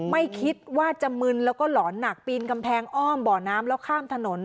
ไม่คิดว่าจะมึนแล้วก็หลอนหนักปีนกำแพงอ้อมบ่อน้ำแล้วข้ามถนน